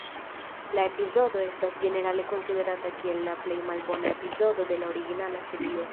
La epizodo estas ĝenerale konsiderata kiel la plej malbona epizodo de la originala serio.